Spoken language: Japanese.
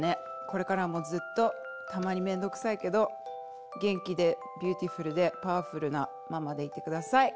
これからもずっとたまに面倒くさいけど元気でビューティフルでパワフルなママでいてください。